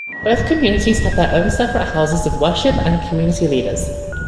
Both communities had their own separate houses of worship and community leaders.